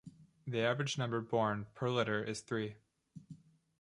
The average number born per litter is three.